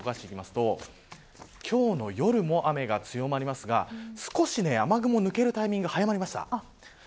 さらに午後４時以降動かしていきますと今日の夜も雨が強まりますが少し雨雲が抜けるタイミングが早まりました。